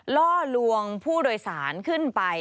ล่อลวงผู้โดยสารขึ้นไป